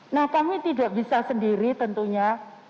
nah kami tidak bisa sendiri tentunya